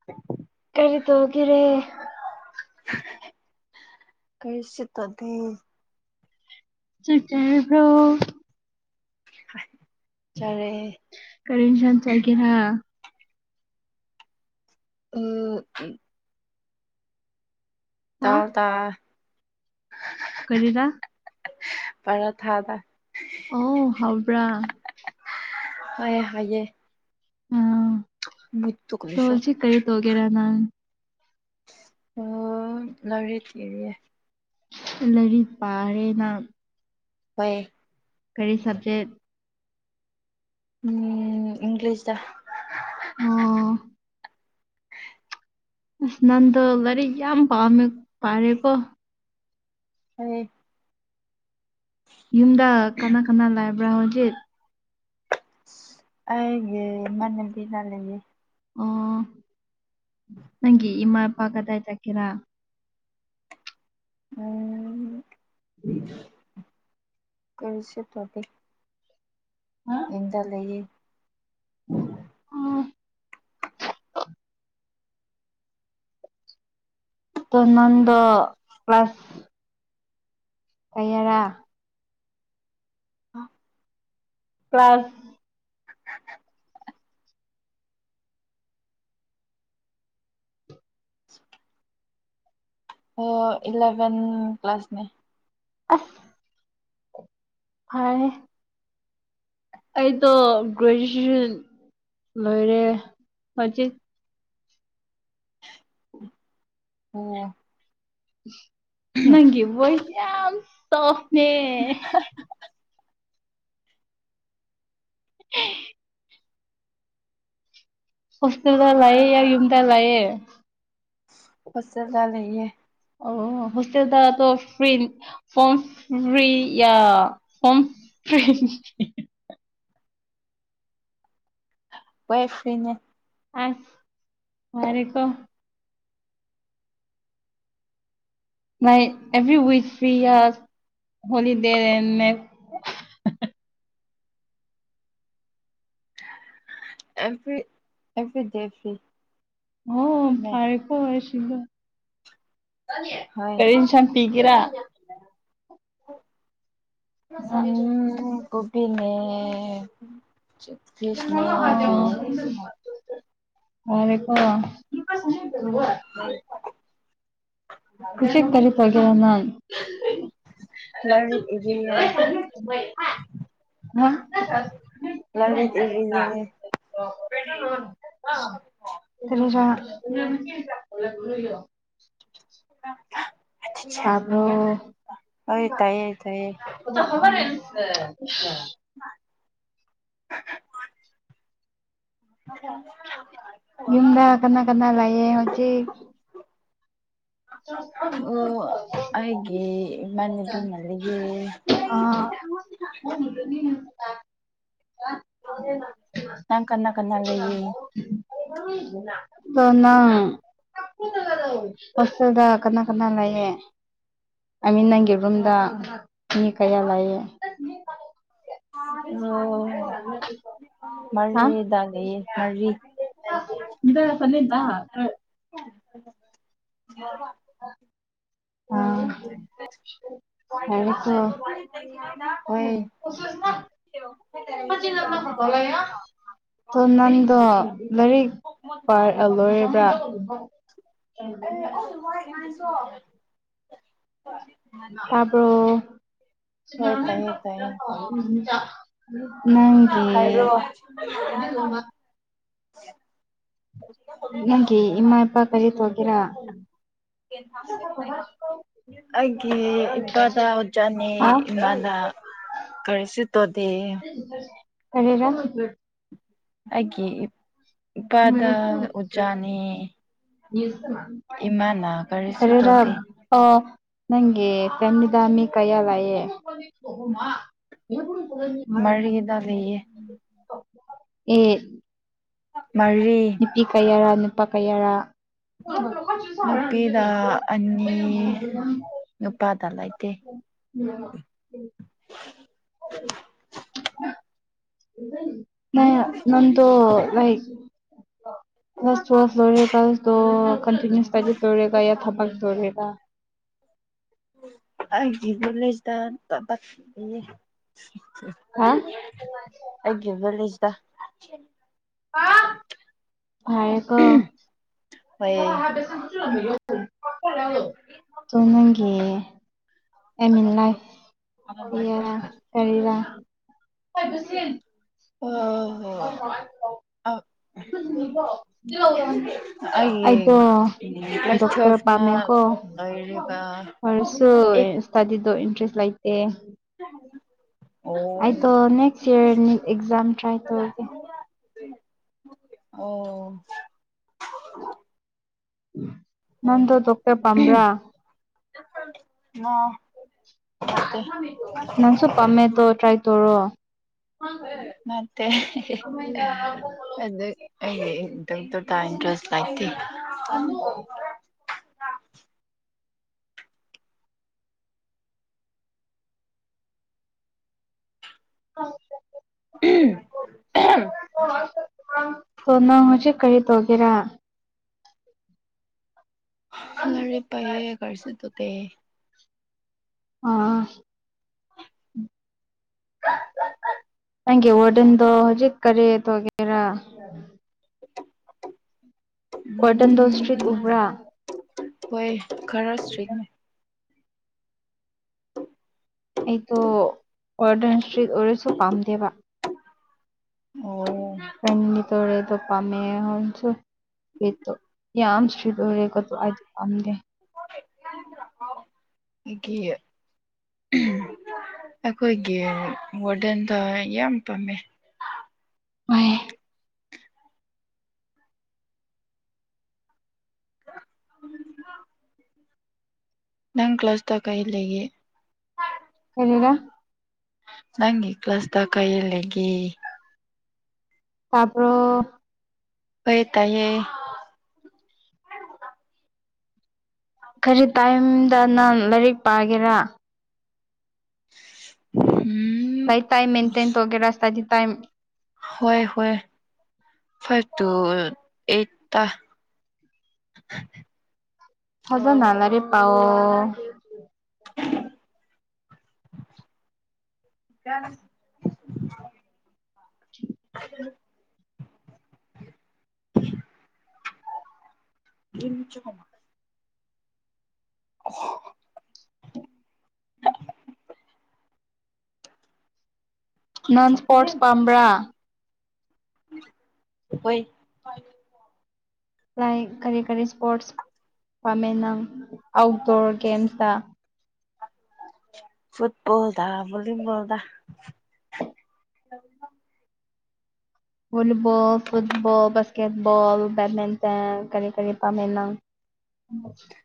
[inaudible] ꯀꯔꯤ ꯇꯧꯒꯦꯔꯦ ꯀꯔꯤꯁꯨ ꯇꯧꯗꯦ ꯆꯥꯛ ꯆꯥꯔꯕ꯭ꯔꯣ ꯆꯥꯔꯦ ꯀꯔꯤ ꯏꯟꯁꯥꯡ ꯆꯥꯒꯦꯔꯥ ꯑꯑ ꯍꯥ ꯇꯥꯥꯎ ꯇꯥ ꯀꯔꯤꯔꯥ ꯄꯔꫭ ꯊꯥꯗ ꯑꯣ ꯍꯥꯎꯕ꯭ꯔꯥ ꯍꫭꯏ ꯍꯥꯏꯒꯦ ꯑ ꯑꯗꫭ ꯀꯔꯤꯁꯨ ꯍꯧꯖꯤꯛ ꯀꯔꯤ ꯇꯧꯒꯦꯔ ꯅꯪ ꯑꯣ ꯂꯥꯏꯔꯤꯛ ꯌꯦꯡꯉꯤꯌꯦ ꯂꯥꯏꯔꯤꯛ ꯄꯥꯔꯦꯅ ꯍꯣꯏ ꯀꯔꯤ ꯁꯕꯖꯦꯛ ꯎꯝ ꯏꯪꯂꯤꯁꯗ ꯑꫭ ꯅꯪꯗꯣ ꯂꯥꯏꯔꯤꯛ ꯌꯥꯝ ꯄꯥꯝꯃꯦ ꯄꯥꯔꯦꯀꯣ ꯍꯣꯏ ꯌꯨꯝꯗ ꯀꯅꯥ ꯀꯅꯥ ꯂꯩꯕ꯭ꯔꯥ ꯍꯧꯖꯤꯠ ꯑꯁ ꯑꯩꯒꯤ ꯏꯃꯥꯟꯅꯕꯤꯅ ꯂꯩꯌꯦ ꯑꯣ ꯅꯪꯒꯤ ꯏꯃꯥ ꯏꯄꯥ ꯀꯗꯥꯏ ꯆꯠꯈꯤꯔꯥ ꯑꯣ ꯀꯔꯤꯁꯨ ꯇꯧꯗꯦ ꯌꯨꯝꯗ ꯂꯩꯌꯦ ꯑꫭ ꯑꯗꫭ ꯅꯪꯗꯣ ꯀ꯭ꯂꯥꯁ ꯀꯌꯥꯔꯥ [unintelligible] ꯀ꯭ꯂꯥꯁ [inaudible] ꯑꯣ ꯏꯂꯦꯚꯦꯟ ꯀ꯭ꯂꯥꯁꯅꯦ ꯑꯁ ꯐꯔꯦ ꯑꯩꯗꯣ ꯒ꯭ꯔꯦꯖꯨꯑꯦꯁꯟ ꯂꯣꯏꯔꯦ ꯍꯧꯖꯤꯛ ꯑꯣ ꯅꯪꯒꯤ ꯕꯣꯏꯁ ꯌꯥꯝ ꯇꫭꯞꯅꯦ [unintelligible] ꯍꯣꯁꯇꯦꯜꯗ ꯂꯩꯌꯦ ꯑꯩ ꯌꯨꯨꯝꯗ ꯂꯩꯌꯦ ꯍꯣꯁꯇꯦꯜꯗ ꯂꯩꯌꯦ ꯑꯣ ꯍꯣꯁꯇꯦꯜꯗ ꯑꯗꯣ ꯐꯔꯤ ꯐꯣꯝ ꯐꯔꯤ ꯌꯥ ꯍꯣꯝ ꯐꯔꯤ ꯋꯦ ꯐꯔꯤꯅꯦ ꯑꯩꯏ ꯌꯥꯔꯦꯀꫭ ꯅꫭꯏ ꯑꯦꯕꯔꯤ ꯋꯤꯛ ꯐꯔꯤꯔ ꯍꫭꯂꯤꯗꯦꯅꯦ ꯑꯦ ꯕꯔꯤ ꯑꯦꯕꯔꯨꯗꯦ ꯐꯔꯤ ꯑꯣ ꯐꯔꯦꯀꯣ ꯑꯩ ꯁꯤꯗ ꯍꯣꯏ ꯀꯔꯤ ꯏꯟꯁꯥꯡ ꯄꯤꯒꯦꯔꯥ ꯎꯝ ꯑꯣ ꯄꯤꯅꯦ [unintelligible] ꯍꯥꯎꯔꯦꯀꯣ [unintelligible] ꯍꯧꯖꯤꯛ ꯀꯔꯤ ꯇꯧꯗꫭꯏꯅꫭ ꯅꯪ ꯂꯥꯏꯔꯤꯛ ꯏꯔꯤꯌꯦ [unintelligible] ꯂꯥꯏꯔꯤꯛ ꯏꯔꯤꯌꯦ [unintelligible] [unintelligible] [unintelligible] ꯇꯥꯕꯔꯣ ꯍꯣꯏ ꯇꯥꯏꯌꯦ ꯇꯥꯏꯌꯦ [unintelligible] [unintelligible] [unintelligible] ꯌꯨꯝꯗ ꯀꯅꯥ ꯀꯅꯥ ꯂꯩꯌꯦ ꯍꯧꯖꯤꯛ ꯑꯣ ꯑꯩꯒꯤ ꯏꯃꯥꯟꯅꯕꯤꯃ ꯂꯩꯌꯦ ꯑꯥ [unintelligible] ꯅꯪ ꯀꯅꯥ ꯀꯅꯥ ꯂꯩꯌꯦ ꯗꯣ ꯅꯡ ꯍꯣꯁꯇꯦꯜꯗ ꯀꯅꯥ ꯀꯅꯥ ꯂꯥꯏꯌꯦ ꯑꯥꯏ ꯃꯤꯟ ꯅꯪꯒꯤ ꯔꯨꯝꯗ ꯃꯤ ꯀꯌꯥ ꯂꯥꯏꯌꯦ ꯑꯣ ꯍꯥ ꯃꯔꯤꯗꯥꯅꯤ ꯃꯔꯤ [unintelligible] [unintelligible] [inaudible] ꯑ ꯌꯥꯔꯦꯀꯣ [unintelligible] ꯍꯣꯏ [unintelligible] ꯗꯣ ꯅꯟꯗꯣ ꯂꯔꯤꯛ ꯄꯥꯔ ꯑ ꯂꯣꯏꯔꯕ꯭ꯔꯥ [unintelligible] [unintelligible] ꯇꯥꯕ꯭ꯔꯣ ꯍꯣꯏ ꯇꯥꯏꯌꯦ ꯇꯥꯏꯌꯦ [unintelligible] ꯅꯡꯒꯤ ꯍꯥꯏꯔꯣ [inaudible] ꯅꯪꯒꯤ ꯏꯃꯥ ꯏꯄꯥ ꯀꯔꯤ ꯇꯧꯒꯦꯔꯥꯥ [inaudible] ꯑꯩꯒꯤ ꯏꯄꯥꯗ ꯑꯣꯖꯥꯥꯅꯦ ꯍꯥ ꯏꯃꯥꯅ ꯀꯔꯤꯁꯨ ꯇꯣꯗꯦ ꯀꯔꯤꯔꯥꯥ ꯑꯩꯒꯤ ꯏꯄꯥꯗ ꯑꯣꯖꯥꯅꯤ ꯏꯃꯥꯅ ꯀꯔꯤꯁꯨ ꯀꯔꯤꯔꯛ ꯇꯧꯗꯦ ꯑꯣ ꯅꯪꯒꯤ [unintelligible] ꯀꯩꯌꯥ ꯂꯥꯏꯌꯦ [unintelligible] ꯃꯔꯤꯗ ꯂꯤꯌꯦ ꯑꯦ ꯃꯔꯤ ꯄꯤ ꯀꯌꯥꯔꯥ ꯅꯨꯄꯥ ꯀꯌꯥꯔꯥ [unintelligible] ꯅꯨꯄꯤꯗ ꯑꯅꯤ ꯅꯨꯄꯥꯗ ꯂꯩꯇꯦ [inaudible] [inaudible] ꯅ ꯅꯟꯗꯣ ꯂꯥꯏꯛ [unintelligible] ꯇꯁ ꯂꯣꯏꯔꯦ ꯀꯁ ꯗꯣ ꯀꯟꯇꯁ ꯇꯖ ꯇꯧꯔꯦ ꯀꯌꯥ ꯊꯕꯛ ꯇꯧꯔꯝꯃꯤꯕ ꯑꯩꯗꯤ [unintelligible] ꯍꯥ ꯑꯩꯒꯤ ꯚꯤꯂꯦꯁꯗ ꯍꯥꯎ ꯉꯥꯏꯌꯨꯀꯣ ꯍꯣꯏ [unintelligible] ꯑꯦꯝ ꯏꯟ ꯂꯥꯢꯐ ꯀꯔꯤꯔꯥ ꯀꯔꯤꯔꯥ [unintelligible] ꯑꯣ [unintelligible] ꯑꯩꯗꯣ ꯑꯩꯒꯤ ꯀ꯭ꯂꯥꯁ ꯗꯣꯛꯇꯔ ꯇꯨꯌꯦꯜꯐꯅ ꯄꯥꯝꯃꯦꯀꯣ ꯂꯣꯏꯔꯤꯕ ꯄꯥꯔꯥꯁꯨ ꯑꯦ ꯏꯁꯇꯗꯤꯗꯨ ꯏꯟꯇ꯭ꯔꯦꯁ ꯂꯩꯇꯦ ꯑꯩꯗꯣ next year NEET exam try ꯑꯣ ꯇꯧꯔꯒꯦ ꯑꯣ [inaudible] ꯍꯣꯢ ꯗꯣꯛꯇꯔ ꯄꯥꯝꯕ꯭ꯔꯥ ꯎꯝ ꯅꯪꯁꯨ ꯄꯥꯝꯃꯦ ꯇꯣ ꯇ꯭ꯔꯥꯏ ꯇꯧꯔꯣ ꯅꯠꯇꯦ ꯑꯗꯨ ꯑꯩꯗꯤ ꯗꯣꯛꯇꯔꯇꯥꯢ ꯏꯟꯇꯔꯦꯁ ꯂꯩꯇꯦ [unintelligible] [unintelligible] ꯎꯝ ꯑꯗꯣ ꯅꯪ ꯍꯧꯖꯤꯛ ꯀꫪꯤ ꯇꯧꯒꯦꯔꯥ ꯂꯥꯏꯔꯤꯛ ꯄꯥꯏꯌꯦ ꯀꯔꯤꯁꯨ ꯇꯧꯗꯦ ꯑꯥ ꯅꯪꯒꯤ ꯋꯥꯔꯗꯦꯟꯗꯣ ꯍꯧꯖꯤꯛ ꯀꯔꯤ ꯇꯧꯒꯦꯔ ꯋꯥꯔꯗꯟꯗꯣ ꯏꯁꯇ꯭ꯔꯤꯛ ꯎꯕ꯭ꯔꯥ ꯎꯝ ꯍꯣꯏ ꯈꯔ ꯁ꯭ꯔꯤꯛꯅꯦ ꯑꯩꯗꯣ ꯋꯥꯔꯗꯦꯟ ꯁ꯭ꯇ꯭ꯔꯤꯛ ꯑꯣꯏꯔꯁꯨ ꯄꯥꯝꯗꯦꯕ ꯑꯣ ꯐꯦꯟ [unintelligible] ꯄꯥꯝꯃꯦ ꯍꯣꯟꯁꯨ [unintelligible] ꯌꯥꯝ ꯁ꯭ꯇ꯭ꯔꯤꯛ ꯑꯣꯔꯦꯀꯣ ꯇꯣ ꯑꯩꯗꯤ ꯄꯥꯝꯗꯦ ꯒꯤ ꯑꯩꯈꯣꯏꯒꯤ ꯋꯥꯔꯗꯦꯟꯗꯣ ꯌꯥꯝ ꯄꯥꯝꯃꯦ ꯋꯥꯏꯌꯦ [inaudible] ꯅꯪ ꯀ꯭ꯂꯥꯁꯇ ꯀꯩ ꯂꯩꯒꯦ ꯀꯔꯤꯔꯥ ꯅꯪꯒꯤ ꯀ꯭ꯂꯥꯁꯇ ꯀꯩ ꯂꯩꯒꯦ ꯇꯥꯄ꯭ꯔꯣ ꯇꯥꯢꯌꯦ ꯇꯥꯢꯌꯦ ꯀꯔꯤ ꯇꯥꯏꯝꯗ ꯅꯪ ꯂꯥꯏꯔꯤꯛ ꯄꯥꯒꯦꯔꯥ [inaudible] ꯍꯨꯝ ꯂꯥꯏꯐ ꯇꯥꯏꯝ ꯃꯦꯟꯇꯦꯟ ꯇꯧꯒꯦꯔꯥ ꯁ꯭ꯇꯥꯗꯤ ꯇꯥꯏꯝ ꯍꯣꯏ ꯍꯣꯏ ꯐꯥꯏꯚ ꯇꯨ ꯑꯩꯠꯇꯥ ꯐꯖꯅꯥ ꯂꯥꯏꯔꯤꯛ ꯄꯥꯎꯑꯣ [inaudible] [inaudible] [inaudible] [unintelligible] ꯑꯣ ꯍꯣ ꯅꯟ ꯏꯁꯄꯣꯔꯠꯁ ꯄꯥꯝꯕ꯭ꯔꯥ [unintelligible] ꯑꯣꯏ ꯂꯥꯏꯛ ꯀꯔꯤ ꯀꯔꯤ ꯁ꯭ꯄꯣꯔꯠꯁ ꯄꯥꯝꯃꯦ ꯅꯪ ꯑꯥꯎꯠꯗꯣꯔ ꯒꯦꯝꯁꯇ ꯐꯨꯠꯕꯣꯜꯗꯥ ꯕꯣꯂꯤꯕꯣꯜꯗ ꯕꯣꯂꯤꯕꯣꯜ ꯐꯨꯠꯕꯣꯜ ꯕꯥꯁꯀꯦꯠꯕꯣꯜ ꯕꯦꯠꯃꯦꯟꯇꯟ ꯀꯔꯤ ꯀꯔꯤ ꯄꯥꯝꯃꯦ ꯅꯪ [inaudible]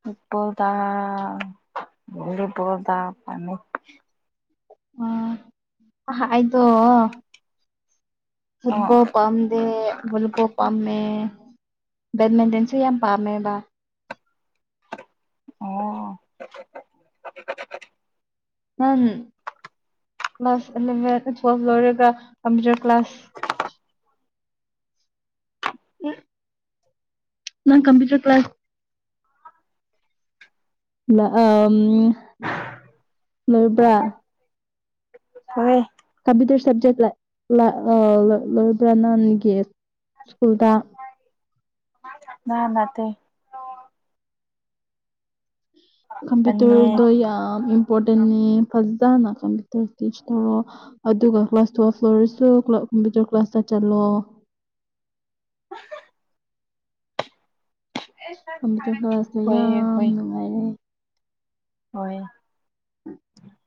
ꯐꯨꯠꯕꯣꯜꯗ ꯕꯣꯂꯤꯕꯣꯜꯗ ꯄꯥꯝꯃꯤ ꯑ ꯑꯍꯥ ꯑꯩꯗꯣ ꯑꯣ ꯐꯨꯠꯕꯣꯜ ꯄꯥꯝꯗꯦ ꯚꯣꯂꯤꯕꯣꯜ ꯄꯥꯝꯃꯦ ꯕꯦꯠꯃꯦꯟꯇꯦꯟꯁꯨ ꯌꯥꯝ ꯄꯥꯝꯃꯦꯕ ꯑꯣ ꯅꯪ ꯀ꯭ꯂꯥꯁ ꯑꯦꯂꯚꯦꯟ ꯇꯨꯋꯦꯜ ꯂꯣꯏꯔꯒ ꯀꯝꯄ꯭ꯌꯨꯇꯔ ꯀ꯭ꯂꯥꯁ ꯅꯪ ꯀꯝꯄ꯭ꯌꯨꯇꯔ ꯀ꯭ꯂꯥꯁ ꯂ ꯑꯝ ꯂꯣꯏꯕ꯭ꯔꯥ ꯍꯣꯏꯌꯦ ꯀꯝꯄ꯭ꯌꯨꯇꯔ ꯁꯕꯖꯦꯛ ꯂ ꯂ ꯑ ꯂꯣꯢ ꯂꯣꯢꯕ꯭ꯔꯥ ꯅꯪꯒꯤ ꯁ꯭ꯀꯨꯜꯗ ꯅꯥ ꯅꯠꯇꯦ ꯑꯅꯤ ꯀꯝꯄ꯭ꯌꯨꯇꯔꯗꯣ ꯌꯥꯝ ꯏꯝꯄꯣꯔꯇꯦꯟꯅꯤ ꯐꯖꯅ ꯀꯝꯄ꯭ꯌꯨꯇꯔ ꯇꯤꯁ ꯇꯧꯔꯣ ꯑꯗꯨꯒ ꯀ꯭ꯂꯥꯁ ꯇꯨꯌꯦꯜꯐ ꯂꯣꯏꯔꯁꯨ ꯀꯝꯄ꯭ꯌꯨꯇꯔ ꯀ꯭ꯂꯥꯁꯇ ꯆꯠꯂꯣ ꯑꯦ ꯀꯝꯄ꯭ꯌꯨꯇꯔ ꯀ꯭ꯂꯥꯁꯇꯣ ꯌꯥꯝ ꯅꯨꯡꯉꯥꯏꯔꯦ ꯍꯣꯏ [inaudible]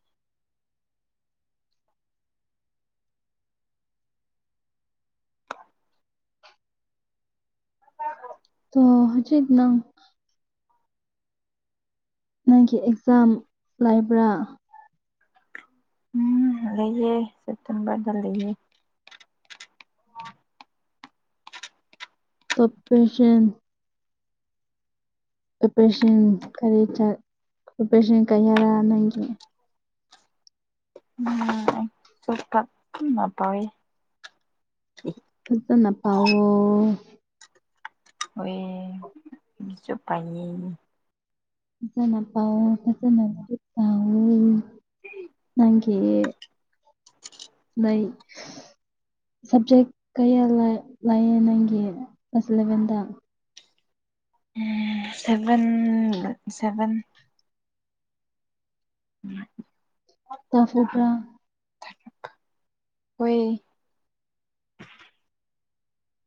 ꯅꯪ ꯇꯥꯗ꯭ꯔꯣ ꯇꯣ ꯍꯧꯖꯤꯛ ꯅꯪ ꯅꯪꯒꯤ ꯑꯦꯛꯖꯥꯝ ꯂꯥꯏꯕ꯭ꯔꯥ ꯎꯝ ꯂꯩꯑꯦ ꯁꯦꯞꯇꯦꯝꯕꯔꯗ ꯂꯩꯑꯦ ꯑꯣ ꯇꯣꯞꯄꯦꯁꯟ ꯑꯣꯄꯔꯦꯁꯟ ꯀꯔꯤ ꯆꯠ ꯑꯣꯄꯔꯦꯁꯟ ꯀꯔꯤ ꯍꯥꯏꯔꯥ ꯅꯪꯒꯤ ꯎꯝ ꯆꯣꯞꯄ [unintelligible] ꯐꯖꯅ ꯄꯥꯋꯣ [unintelligible] ꯄꯥꯏꯌꯦ ꯐꯖꯅ ꯄꯥꯋꯣ ꯐꯖꯅ [unintelligible] ꯅꯪꯒꯤ [inaudible] ꯂꯩ ꯁꯕꯖꯦꯛ ꯀꯌꯥ ꯂꯥꯛ ꯂꯥꯛꯌꯦ ꯅꯪꯒꯤ ꯀ꯭ꯂꯥꯁ ꯏꯂꯚꯦꯟꯗ ꯎꯝ ꯁꯕꯦꯟ ꯁꯕꯦꯟ ꯎꯝ ꯀꯌꯥ ꯁꯨꯕ꯭ꯔꯥ ꯍꯣꯏ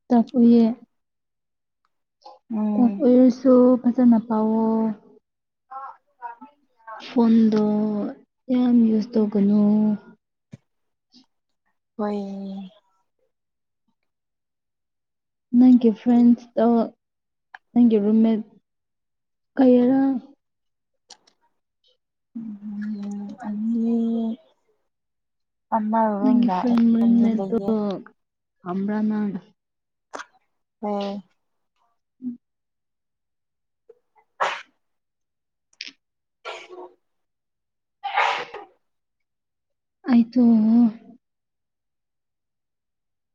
ꯇꯥꯛꯄꯤꯌꯦ ꯎꯝ [unintelligible] ꯑꯣꯏꯔꯁꯨ ꯐꯖꯅ ꯄꯥꯎꯋꯣ ꯑꯥ ꯐꯣꯟꯗꯣ ꯌꯥꯝ ꯌꯨꯁ ꯇꯧꯒꯅꯣ ꯍꯣꯏ ꯅꯪꯒꯤ ꯐ꯭ꯔꯦꯟꯁꯇꯣ ꯅꯪꯒꯤ ꯔꯨꯝꯃꯦꯠ ꯀꯩꯌꯔ ꯎꯝ ꯑꯅꯤ ꯑꯃꯔꯣꯝ ꯅꯪꯒꯤ ꯂꯥꯛꯑꯦ [unintelligible] ꯄꯝꯕ꯭ꯔꯥ ꯅꯪ ꯍꯣꯏ [inaudible] ꯑꯩꯗꯣꯑꯣ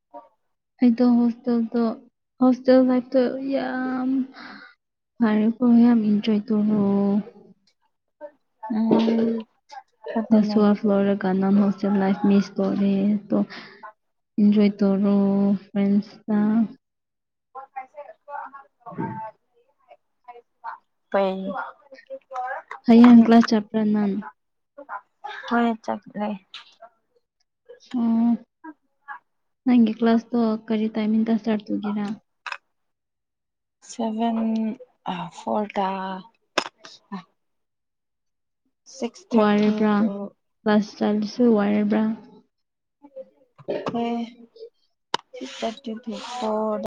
[inaudible] ꯑꯩꯗꯣ ꯍꯣꯁꯇꯦꯜꯗꯣ ꯍꯣꯁꯇꯦꯜ ꯂꯥꯏꯐꯇꯣ ꯌꯥꯝ ꯐꯔꯦꯀꯣ ꯌꯥꯝ ꯏꯟꯖꯣꯏ ꯇꯣꯔꯣ ꯎꯝ ꯑꯗꯨꯅꯦ ꯂꯣꯏꯔꯀꯟꯗ ꯃꯨꯛ ꯍꯣꯁꯇꯦꯜ ꯂꯥꯏꯐ ꯃꯤꯁ ꯇꯧꯔꯦ ꯇꯣ ꯏꯟꯖꯣꯏ ꯇꯧꯔꯣ ꯐ꯭ꯔꯦꯟꯁꯇꯥ [unintelligible] [unintelligible] ꯍꯌꯦꯡ ꯀ꯭ꯂꯥꯁ ꯆꯠꯄ꯭ꯔ ꯅꯪ ꯍꯣꯏ ꯆꯠꯂꯦ ꯑꯣ ꯅꯪꯒꯤ ꯀ꯭ꯂꯥꯁ ꯇꯣ ꯀꯔꯤ ꯇꯥꯏꯃꯤꯡꯗ ꯁ꯭ꯇꯥꯔꯠ ꯇꯧꯒꯦꯔꯥ ꯁꯚꯦꯟ ꯑꯥ ꯐꯣꯔꯗ ꯁꯤꯛꯁ ꯊꯥꯔꯇꯤ ꯋꯥꯏꯕ꯭ꯔ ꯇꯨ ꯀ꯭ꯂꯥꯁ ꯆꯥꯠꯄꯁꯦ ꯋꯥꯏꯕ꯭ꯔꯥ ꯋꯥꯏ [unintelligible]